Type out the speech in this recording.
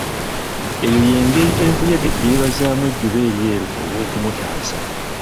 Eyo y'engeri enkuyege gye yebazaamu ejjuba eryeru olw'okumutaasa.